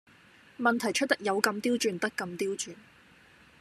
問題出得有咁刁鑽得咁刁鑽